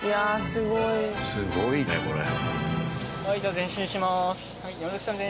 すごいねこれ。